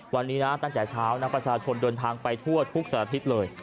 วันนี้นะตั้งแต่เช้านะประชาชนเดินทางไปทั่วทุกสัตว์อาทิตย์เลย